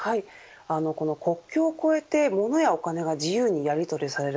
国境を越えて物やお金が自由にやりとりされる